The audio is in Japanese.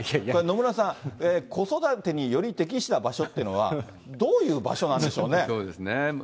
これ、野村さん、子育てにより適した場所っていうのは、どういう場所なんでしょうそうですね。